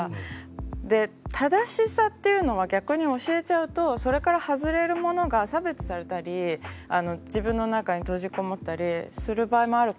で正しさっていうのは逆に教えちゃうとそれから外れるものが差別されたり自分の中に閉じ籠もったりする場合もあるから。